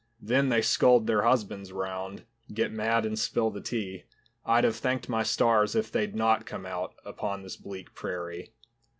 Then they scold their husbands round, Get mad and spill the tea, I'd have thanked my stars if they'd not come out Upon this bleak prairie.